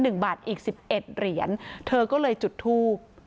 หรือเหรียญเช่นเดียว๑เหรียญเธอผมจะจุดทูบ